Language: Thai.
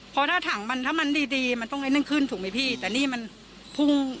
พอถ้าถังมานถ้ามันดีมันต้องไงนึกขึ้นถูกไหมพี่แต่นี่มันพรุ่ง